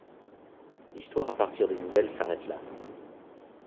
L'histoire à partir des nouvelles s'arrête là.